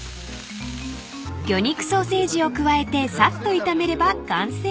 ［魚肉ソーセージを加えてさっと炒めれば完成］